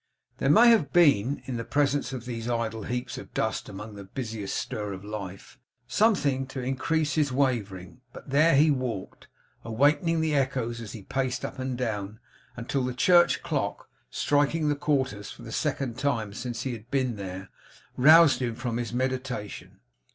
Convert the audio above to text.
There may have been, in the presence of those idle heaps of dust among the busiest stir of life, something to increase his wavering; but there he walked, awakening the echoes as he paced up and down, until the church clock, striking the quarters for the second time since he had been there, roused him from his meditation.